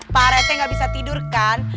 pak rete nggak bisa tidur kan